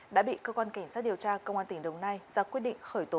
đã bị cơ quan cảnh sát điều tra công an tỉnh đồng nai ra quyết định khởi tố